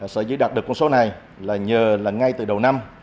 sở dự đạt được con số này là nhờ là ngay từ đầu năm